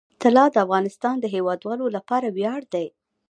طلا د افغانستان د هیوادوالو لپاره ویاړ دی.